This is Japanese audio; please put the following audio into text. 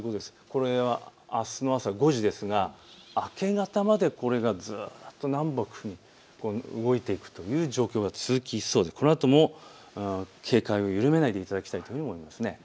これはあすの朝５時ですが明け方までこれがずっと南北に動いていくという状況が続きそう、このあとも警戒を緩めないでいただきたいと思います。